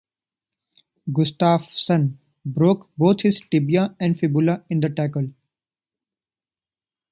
Gustaffson broke both his tibia and fibula in the tackle.